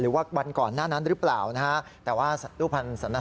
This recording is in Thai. หรือว่าวันก่อนหน้านั้นหรือเปล่าแต่ว่ารูปพันธ์สนิทอา